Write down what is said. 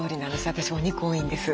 私お肉多いんです。